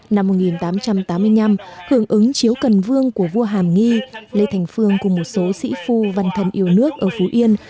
năm một nghìn tám trăm tám mươi năm hưởng ứng chiếu cần vương của vua hàm nghi lê thành phương cùng một số sĩ phu văn thần yêu nước ở phú yên